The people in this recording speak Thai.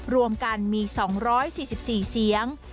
รวมกันมี๒๔๔เสียง